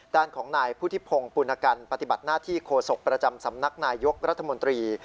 ด้านของนายพุทธิพงศ์ปุณกันปฏิบัติหน้าที่โฆษกประจำสำนักนายยกรัฐมนตรี